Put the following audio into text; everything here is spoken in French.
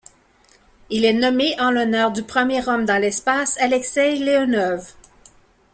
Il est nommé en l'honneur du premier homme dans l'espace, Alexeï Leonov.